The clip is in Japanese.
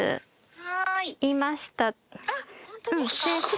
はい。